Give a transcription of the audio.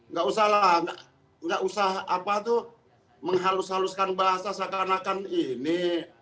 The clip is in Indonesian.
nggak usah lah nggak usah menghalus haluskan bahasa seakan akan ini